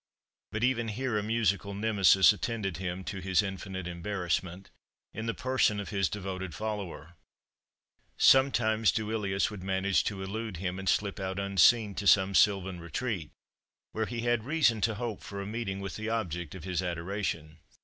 But even here a musical Nemesis attended him, to his infinite embarrassment, in the person of his devoted follower. Sometimes Duilius would manage to elude him, and slip out unseen to some sylvan retreat, where he had reason to hope for a meeting with the object of his adoration.